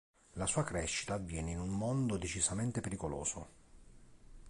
La sua crescita avviene in un mondo decisamente pericoloso.